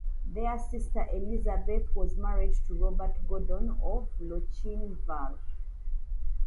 Their sister Elizabeth was married to Robert Gordon of Lochinvar.